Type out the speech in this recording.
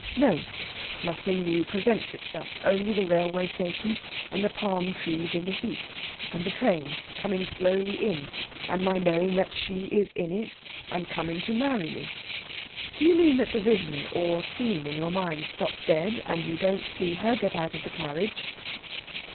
No! nothing new presents itself. Only the railway station and the palm trees in the heat. And the train coming slowly in, and my knowing that she is in it, and coming to marry me." "Do you mean that the vision or scene in your mind stops dead, and you don't see her get out of the carriage?"